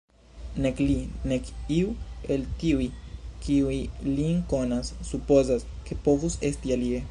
Nek li, nek iu el tiuj, kiuj lin konas, supozas, ke povus esti alie.